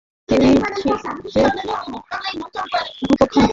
তিনি শিরাজে অধ্যাপক হন।